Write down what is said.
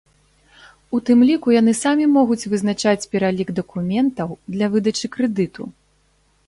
У тым ліку яны самі могуць вызначаць пералік дакументаў для выдачы крэдыту.